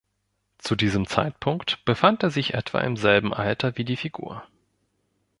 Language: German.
Zu diesem Zeitpunkt befand er sich etwa im selben Alter wie die Figur.